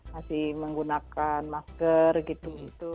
masih menggunakan masker gitu